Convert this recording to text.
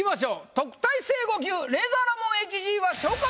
特待生５級レイザーラモンＨＧは。